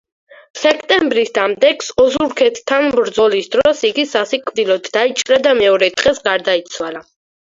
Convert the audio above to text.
სექტემბრის დამდეგს ოზურგეთთან ბრძოლის დროს იგი სასიკვდილოდ დაიჭრა და მეორე დღეს გარდაიცვალა.